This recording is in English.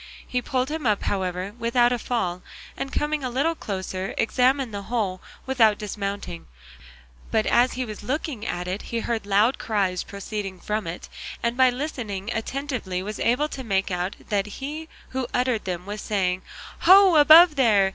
He pulled him up, however, without a fall, and coming a little closer examined the hole without dismounting; but as he was looking at it he heard loud cries proceeding from it, and by listening attentively was able to make out that he who uttered them was saying, "Ho, above there!